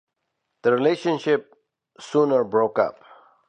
The relationship soon broke up.